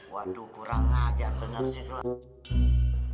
waduh kurang ajar bener si sulam